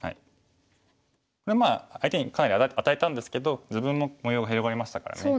これ相手にかなり与えたんですけど自分も模様が広がりましたからね。